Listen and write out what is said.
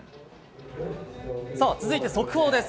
続いて速報です。